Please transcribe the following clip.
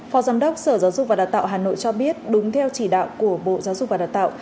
phó giám đốc sở giáo dục và đào tạo hà nội cho biết đúng theo chỉ đạo của bộ giáo dục và đào tạo